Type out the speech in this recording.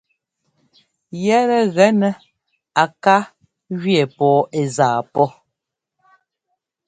Yɛ́tɛ́ gɛ nɛ́ á ká jʉɛ pɔɔ ɛ́ zaa pɔ́.